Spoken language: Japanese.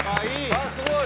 あっすごい！